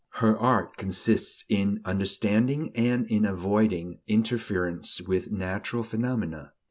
Her art consists in understanding and in avoiding interference with natural phenomena.